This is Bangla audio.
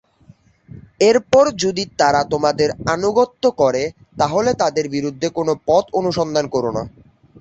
এরপর যদি তারা তোমাদের আনুগত্য করে তাহলে তাদের বিরুদ্ধে কোন পথ অনুসন্ধান করো না।